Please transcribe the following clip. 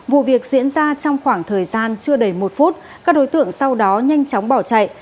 vụ việc diễn ra trong khoảng thời gian chưa đầy một phút các đối tượng sau đó nhanh chóng bỏ chạy